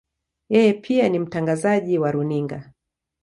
Yeye pia ni mtangazaji wa runinga.